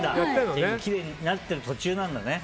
きれいになっている途中なんだね。